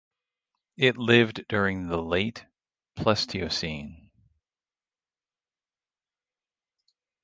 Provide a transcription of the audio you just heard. It lived during the Late Pleistocene.